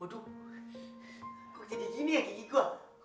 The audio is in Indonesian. aduh kok jadi gini ya gigi gua